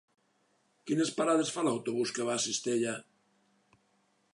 Quines parades fa l'autobús que va a Cistella?